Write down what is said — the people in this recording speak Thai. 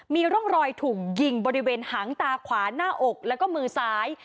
มีร่องรอยถูกยิงบริเวณหางตาขวาหน้าอกแล้วก็มือซ้าย